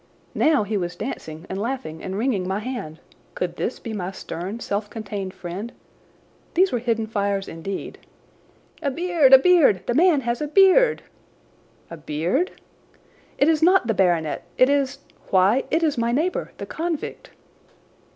Now he was dancing and laughing and wringing my hand. Could this be my stern, self contained friend? These were hidden fires, indeed! "A beard! A beard! The man has a beard!" "A beard?" "It is not the baronet—it is—why, it is my neighbour, the convict!"